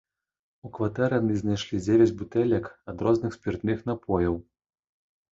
У кватэры яны знайшлі дзевяць бутэлек ад розных спіртных напояў.